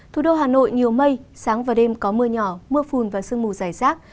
thủ đô hà nội nhiều mây sáng và đêm có mưa nhỏ mưa phùn và sương mù dài rác